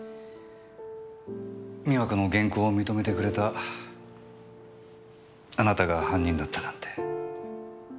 美和子の原稿を認めてくれたあなたが犯人だったなんて。